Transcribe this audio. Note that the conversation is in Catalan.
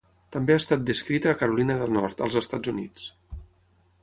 També ha estat descrita a Carolina del Nord, als Estats Units.